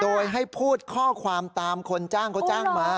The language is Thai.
โดยให้พูดข้อความตามคนจ้างเขาจ้างมา